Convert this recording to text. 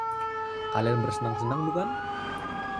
Kalian bersenang-senang, bukan?